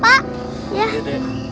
makasih ya dek